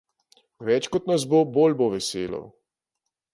Več kot nas bo, bolj bo veselo.